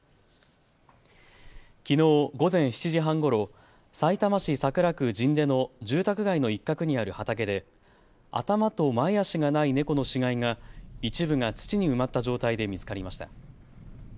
きのう午前７時半ごろさいたま市桜区神田の住宅街の一角にある畑で頭と前足がない猫の死骸が一部が土に埋まった状態で見つかりました。